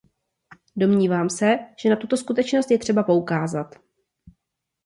Domnívám se, že na tuto skutečnost je třeba poukázat.